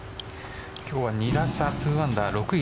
今日は２打差２アンダー６位